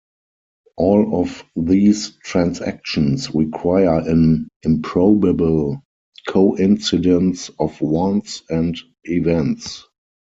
All of these transactions require an improbable coincidence of wants and events.